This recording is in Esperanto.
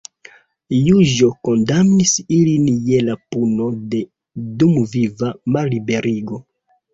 Juĝo kondamnis ilin je la puno de dumviva malliberigo.